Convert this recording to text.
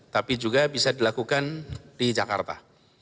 tapi juga bisa dilakukan di jakarta